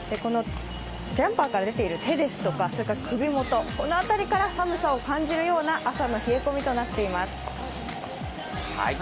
ジャンパーから出ている手ですとか首元この辺りから寒さを感じるような朝の冷え込みとなっています。